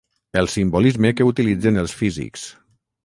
El simbolisme que utilitzen els físics.